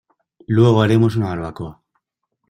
Luego haremos una barbacoa.